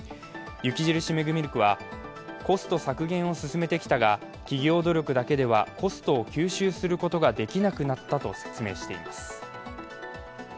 雪印メグミルクは、コスト削減を進めてきたが企業努力だけではコストを吸収することができなくなったと説明しています。